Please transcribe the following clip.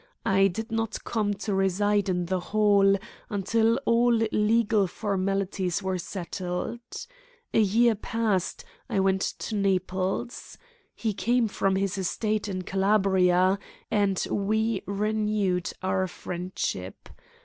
I did not come to reside in the Hall until all legal formalities were settled. A year passed. I went to Naples. He came from his estate in Calabria, and we renewed our friendship.